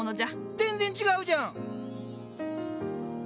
全然違うじゃん！